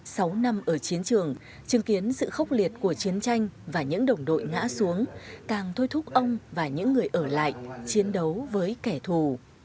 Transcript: sáu năm ở chiến trường chứng kiến sự khốc liệt của chiến tranh và những đồng đội ngã xuống càng thôi thúc ông và những người ở lại chiến đấu với kẻ thù